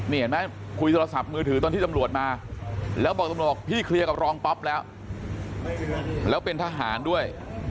โดยแอมโทรศัพท์มือถึงตอนที่ตำรวจมาแล้วมาบอกพี่เคลียร์กับรองป๊อปแล้วแล้วเป็นทหารด้วย